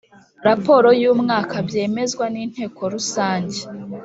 Raporo y’umwaka byemezwa n’Inteko Rusange;